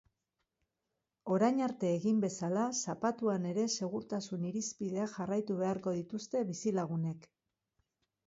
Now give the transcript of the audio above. Orain arte egin bezala zapatuan ere segurtasun irizpideak jarraitu beharko dituzte bizilagunek.